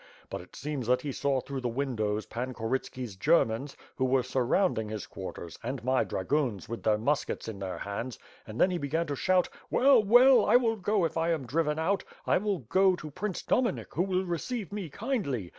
But it seems that he saw through the windows Pan Korytski's Germans, who were surrounding his quarters, and my dragoons, with their musk ets in their hands, and then he began to shout: "Well, well; I will go if I am driven out. I will go to Prince Dominik who will receive me kindly.